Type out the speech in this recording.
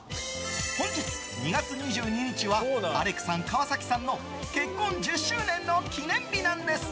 本日２月２２日はアレクさん・川崎さんの結婚１０周年の記念日なんです。